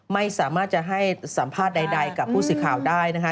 ไม่สามารถจะให้สัมภาษณ์ใดกับผู้สื่อข่าวได้นะคะ